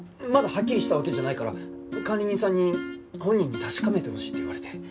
まだはっきりしたわけじゃないから管理人さんに本人に確かめてほしいって言われて。